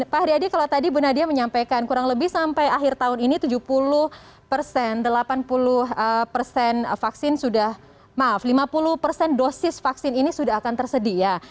pak haryadi kalau tadi bu nadia menyampaikan kurang lebih sampai akhir tahun ini tujuh puluh persen delapan puluh persen vaksin sudah maaf lima puluh persen dosis vaksin ini sudah akan tersedia